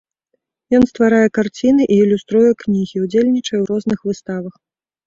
Ён стварае карціны і ілюструе кнігі, удзельнічае ў розных выставах.